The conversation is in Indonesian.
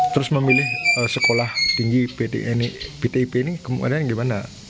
terus memilih sekolah tinggi ptip ini gimana